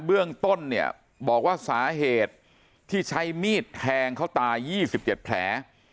เบื้องต้นเนี่ยบอกว่าสาเหตุที่ใช้มีดแทงเขาตาย๒๗แผล